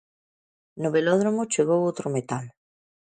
No velódromo chegou outro metal.